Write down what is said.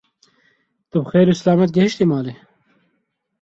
Tu bi xêr û silamet gihîştî malê?